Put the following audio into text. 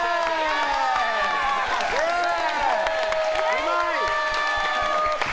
うまい！